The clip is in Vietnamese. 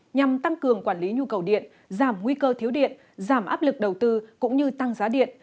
nhằm tăng cường quản lý nhu cầu điện giảm nguy cơ thiếu điện giảm áp lực đầu tư cũng như tăng giá điện